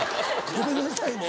ごめんなさいね。